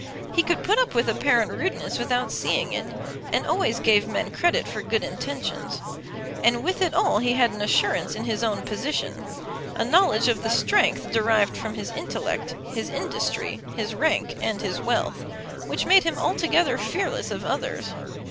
He could put up with apparent rudeness without seeing it, and always gave men credit for good intentions. And with it all he had an assurance in his own position, a knowledge of the strength derived from his intellect, his industry, his rank, and his wealth, which made him altogether fearless of others.